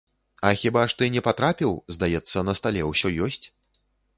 А хіба ж ты не патрапіў, здаецца, на стале ўсё ёсць.